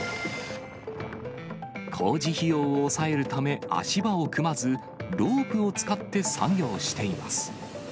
工事費用を抑えるため、足場を組まず、ロープを使って作業しています。